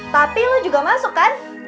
tapi lu juga masuk kan